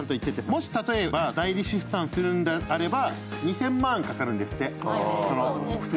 もし例えば、代理出産するのであれば２０００万かかるんですって。